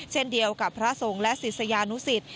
เช่นเดียวกับพระสงฆ์และศิษยานุสิต